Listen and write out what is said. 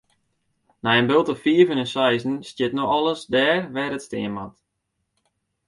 Nei in bulte fiven en seizen stiet no alles dêr wêr't it stean moat.